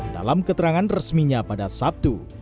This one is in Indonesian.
dalam keterangan resminya pada sabtu